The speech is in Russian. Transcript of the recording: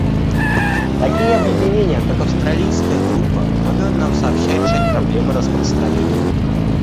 Такие объединения, как Австралийская группа, помогают нам сообща решать проблемы распространения.